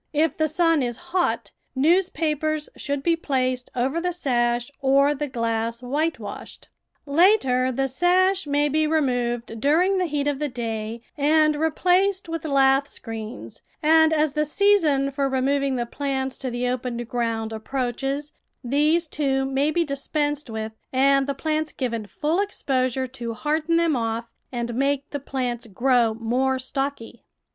If the sun is hot, newspapers should be placed over the sash or the glass whitewashed. Later the sash may be removed during the heat of the day and replaced with lath screens, and as the season for removing the plants to the open ground approaches, these, too, may be dispensed with and the plants given full ex posure to harden them off and make the plants grow more stocky.